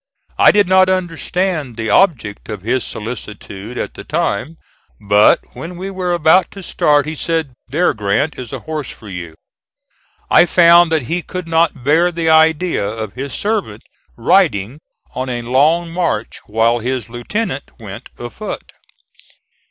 I did not understand the object of his solicitude at the time, but, when we were about to start, he said: "There, Grant, is a horse for you." I found that he could not bear the idea of his servant riding on a long march while his lieutenant went a foot.